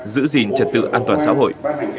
giữ gìn trật tự an toàn xã hội